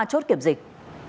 chốt kiểm dịch